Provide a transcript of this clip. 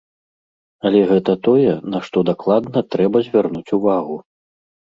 Але гэта тое, на што дакладна трэба звярнуць увагу.